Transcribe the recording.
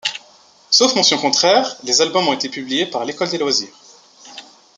Sauf mention contraire, les albums ont été publiés par L'École des loisirs.